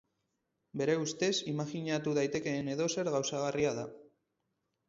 Bere ustez, imajinatu daitekeen edozer gauzagarria da.